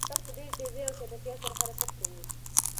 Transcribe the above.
ساعت په ډېرې تېزۍ او چټکتیا سره حرکت کوي.